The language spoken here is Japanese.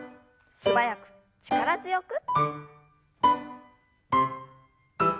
素早く力強く。